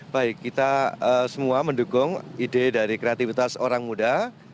baik kita semua mendukung ide dari kreativitas orang muda